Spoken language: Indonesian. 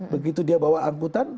begitu dia bawa angkutan